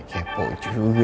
kayaknya belum ada nelpon